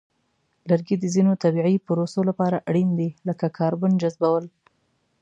لرګي د ځینو طبیعی پروسو لپاره اړین دي، لکه کاربن جذبول.